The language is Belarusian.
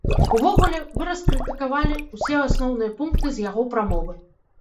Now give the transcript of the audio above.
Увогуле, вы раскрытыкавалі ўсе асноўныя пункты з яго прамовы.